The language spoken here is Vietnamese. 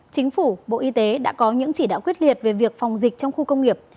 chính phủ bộ y tế đã có những chỉ đạo quyết liệt về việc phòng dịch trong khu công nghiệp